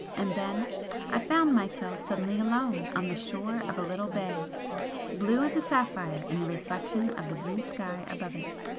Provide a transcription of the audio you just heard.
and then I found myself suddenly alone on the shore of a little bay, blue as a sapphire in the reflection of the blue sky above it.